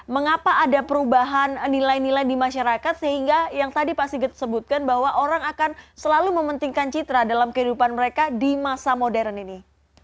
mengapa ada perubahan nilai nilai di masyarakat sehingga yang tadi pak sigit sebutkan bahwa orang akan selalu mementingkan citra dalam kehidupan mereka di masa modern ini